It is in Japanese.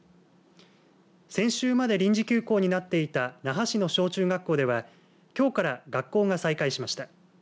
先週まで臨時休校になっていた那覇市の小中学校ではきょうから学校が再開しました。